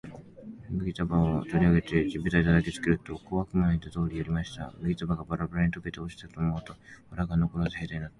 麦束を取り上げて地べたへ叩きつけると、小悪魔の言った通りやりました。麦束がバラバラに解けて落ちたかと思うと、藁がのこらず兵隊になって、